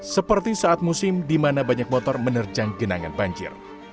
seperti saat musim di mana banyak motor menerjang genangan banjir